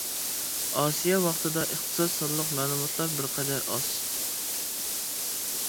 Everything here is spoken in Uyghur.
ئاسىيا ۋاقتىدا ئىقتىساد سانلىق مەلۇماتلار بىر قەدەر ئاز.